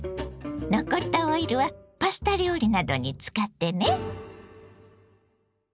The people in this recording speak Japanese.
残ったオイルはパスタ料理などに使ってね。